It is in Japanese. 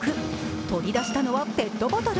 取り出したのはペットボトル。